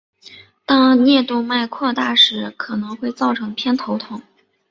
当颞动脉扩大时可能会造成偏头痛。